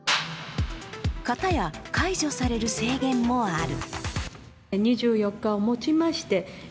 片や解除される制限もある。